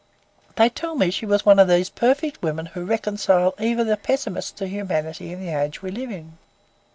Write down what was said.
They tell me she was one of those perfect women who reconcile even the pessimist to humanity and the age we live in.